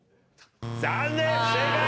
残念！